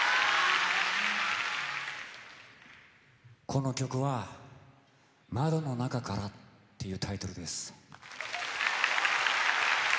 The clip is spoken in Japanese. この曲は「窓の中から」っていうタイトルです。